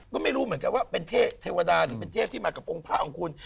ก็ไม่รู้เหมือนกันว่าเป็นเทวดาหรือเป็นเทพที่มากับองค์พระของคุณ